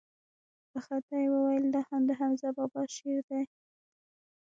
په خندا يې وويل دا هم دحمزه بابا شعر دىه.